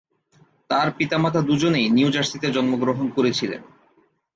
তার পিতামাতা দুজনেই নিউ জার্সিতে জন্মগ্রহণ করেছিলেন।